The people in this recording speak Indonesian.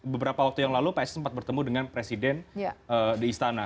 beberapa waktu yang lalu psi sempat bertemu dengan presiden di istana